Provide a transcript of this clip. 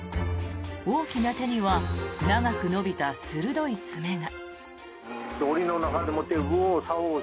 大きな手には長く伸びた鋭い爪が。